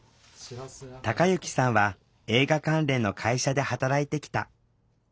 たかゆきさんは映画関連の会社で働いてきた。